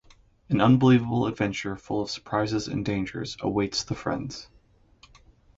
An unbelievable adventure full of surprises and dangers awaits the friends.